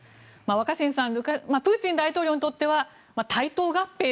プーチン大統領にとっては対等合併？